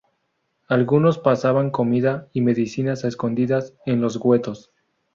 Algunos pasaban comida y medicinas a escondidas en los guetos.